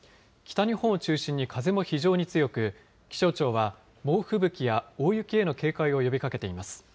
北日本を中心に風も非常に強く、気象庁は猛吹雪や大雪への警戒を呼びかけています。